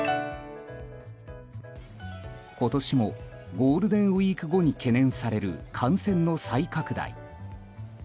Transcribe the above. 今年もゴールデンウィーク後に懸念される感染の再拡大。